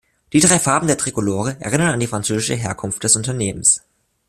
Die drei Farben der Trikolore erinnern an die französische Herkunft des Unternehmens.